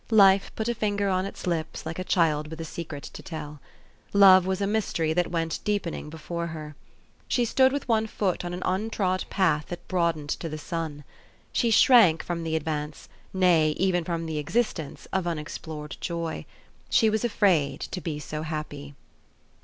Life put a finger on its lips like a child with a secret to tell. Love was a mystery that went deepening before her. She stood with one foot on an untrod path that broadened to the sun. She shrank from the ad vance, nay, even from the existence, of unexplored joy. She was afraid to be so happy.